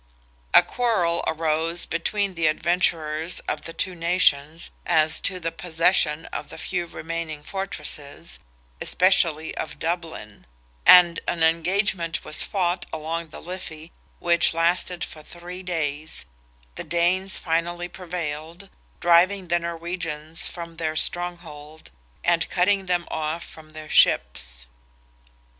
A quarrel arose between the adventurers of the two nations as to the possession of the few remaining fortresses, especially of Dublin; and an engagement was fought along the Liffey, which "lasted for three days;" the Danes finally prevailed, driving the Norwegians from their stronghold, and cutting them off from their ships.